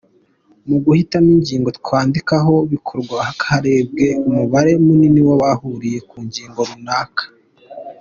Mu guhitamo ingingo twandikaho bikorwa harebwe umubare munini w’abahuriye ku ngingo runaka.